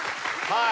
はい。